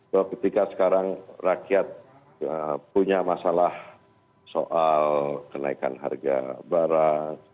bahwa ketika sekarang rakyat punya masalah soal kenaikan harga barang